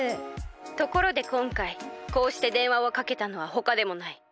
ところでこんかいこうしてでんわをかけたのはほかでもない。